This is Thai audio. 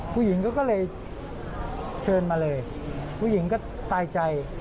ผู้หญิงก็เลยเชิญมาเลยผู้หญิงก็ตายใจ